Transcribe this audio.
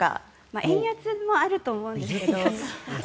円安もあると思うんですけど。